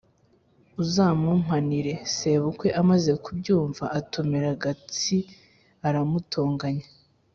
uzamumpanire!" Sebukwe amaze kubyumva, atumira Gatsi aramutonganya.